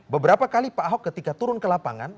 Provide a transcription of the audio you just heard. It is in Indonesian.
beberapa kali pak ahok ketika turun ke lapangan